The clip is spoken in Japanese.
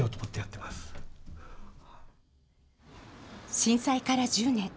震災から１０年。